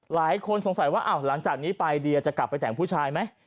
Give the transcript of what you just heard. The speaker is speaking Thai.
หลายคนสงสัยว่าหลังจากนี้ไปเดียจะกลับไปแต่งผู้ชายไหม